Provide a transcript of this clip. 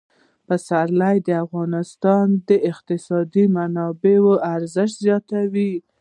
پسرلی د افغانستان د اقتصادي منابعو ارزښت زیاتوي.